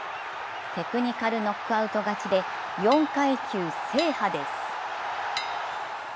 テクニカルノックアウト勝ちで４階級制覇です。